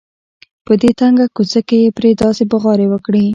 په دې تنګه کوڅه کې یې پرې داسې بغارې وکړې.